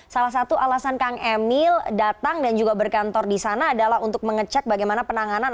salah satu alasan kang emil datang dan juga berkantor di sana adalah untuk mengecek bagaimana penanganan